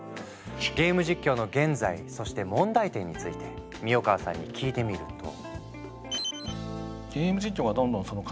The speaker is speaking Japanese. ゲーム実況の現在そして問題点について三代川さんに聞いてみると。